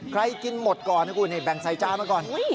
ใครกินหมดก่อนนี่แบ่งไซจ้ามาก่อน